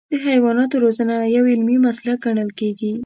د حیواناتو روزنه یو علمي مسلک ګڼل کېږي.